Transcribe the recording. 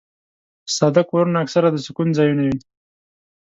ساده کورونه اکثره د سکون ځایونه وي.